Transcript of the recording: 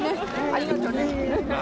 ありがとね。